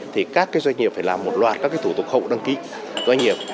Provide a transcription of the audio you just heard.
thì các doanh nghiệp phải làm một loạt các thủ tục hậu đăng ký doanh nghiệp